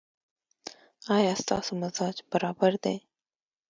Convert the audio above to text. ایا ستاسو مزاج برابر دی؟